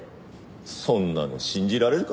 そんなの信じられるか。